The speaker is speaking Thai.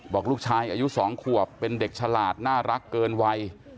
บอกลูกชายอายุ๒ขวบเป็นเด็กฉลาดน่ารักเกินวัย